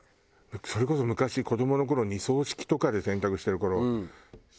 それこそ昔子どもの頃二槽式とかで洗濯してた頃。